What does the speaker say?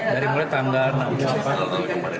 dari mulai tanggal enam delapan